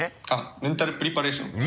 メンタルプリパレーションです。